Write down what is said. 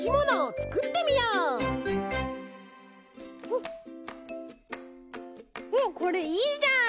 おっこれいいじゃん。